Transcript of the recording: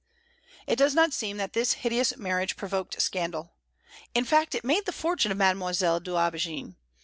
It does not seem that this hideous marriage provoked scandal. In fact, it made the fortune of Mademoiselle d'Aubigné.